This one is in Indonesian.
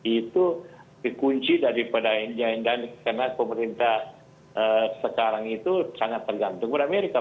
itu dikunci daripada karena pemerintah sekarang itu sangat tergantung pada amerika